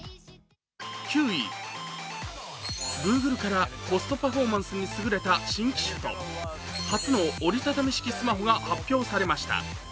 ９位、Ｇｏｏｇｌｅからコストパフォーマンスに優れた新機種と、初の折り畳み式スマホが発表されました。